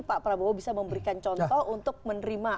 pak prabowo bisa memberikan contoh untuk menerima